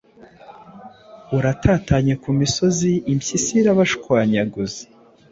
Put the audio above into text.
uratatanye ku misozi! Impyisi irabashwanyaguza,